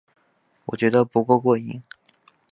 我觉得不够过瘾